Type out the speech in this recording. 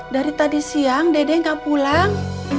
dari tadi siang dede nggak pulang